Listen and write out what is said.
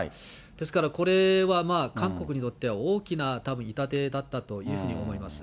ですから、これは韓国にとっては大きなたぶん、痛手だったというふうに思います。